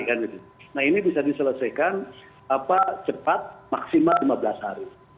dan tentu juga ini adalah apa juga harus ada dukungan dari partai politik